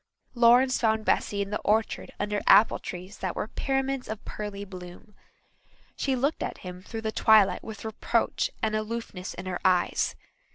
Lawrence found Bessy in the orchard under apple trees that were pyramids of pearly bloom. She looked at him through the twilight with reproach and aloofness in her eyes.